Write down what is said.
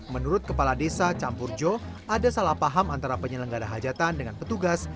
menurut kepala desa campurjo ada salah paham antara penyelenggara hajatan dengan petugas